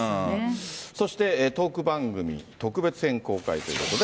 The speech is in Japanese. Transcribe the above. そしてトーク番組、特別編公開ということで。